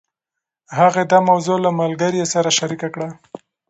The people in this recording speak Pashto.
هغې دا موضوع له ملګرې سره شريکه کړه.